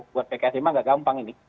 buat pks memang nggak gampang ini